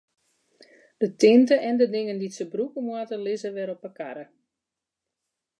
De tinte en de dingen dy't se brûke moatte, lizze wer op de karre.